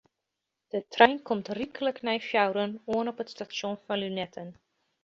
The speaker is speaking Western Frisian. De trein komt ryklik nei fjouweren oan op it stasjon fan Lunetten.